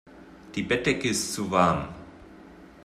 Die Bettdecke ist zu warm.